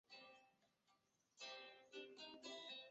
灵川大节竹为禾本科大节竹属下的一个种。